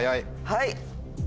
はい。